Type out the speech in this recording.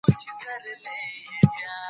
ډاکټر زیار د څېړني پر ارزښت ټینګار کړی.